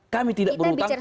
kami tidak berutang